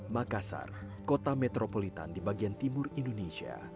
makassar kota metropolitan di bagian timur indonesia